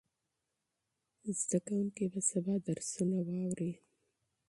زده کوونکي به سبا درسونه واوري.